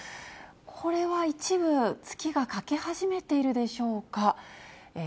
これは一部、月が欠け始めているでしょうか。